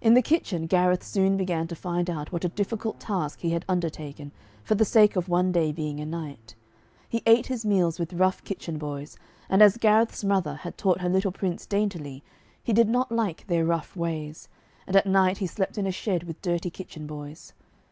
In the kitchen Gareth soon began to find out what a difficult task he had undertaken, for the sake of one day being a knight. He ate his meals with rough kitchen boys, and as Gareth's mother had taught her little prince daintily, he did not like their rough ways; and at night he slept in a shed with dirty kitchen boys.